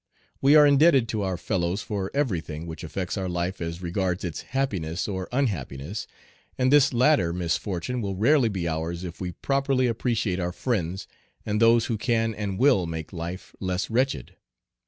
We are indebted to our fellows for every thing which affects our life as regards its happiness or unhappiness, and this latter misfortune will rarely be ours if we properly appreciate our friends and those who can and will make life less wretched.